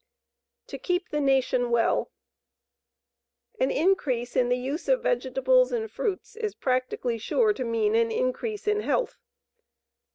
To Keep the Nation Well. An increase in the use of vegetables and fruits is practically sure to mean an increase in health.